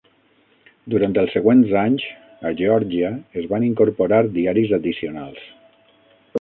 Durant els següents anys, a Geòrgia es van incorporar diaris addicionals.